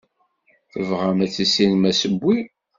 Tebɣam ad tissinem asewwi.